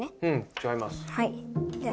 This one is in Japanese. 違います。